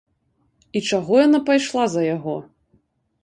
І чаго яна пайшла за яго?